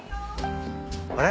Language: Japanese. あれ？